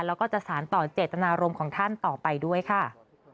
แล้วก็จะสารต่อเจตนารมณ์ของท่านต่อไปด้วยค่ะ